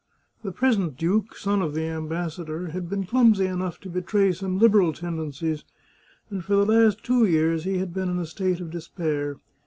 The present duke, son of the ambassador, had been clumsy enough to betray some Liberal tendencies, and for the last two years he had been in a state of despair.